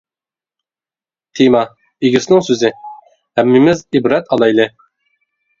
تېما ئىگىسىنىڭ سۆزى : ھەممىمىز ئىبرەت ئالايلى!